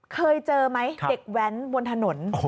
เคยเจอไหมเด็กแว้นบนถนน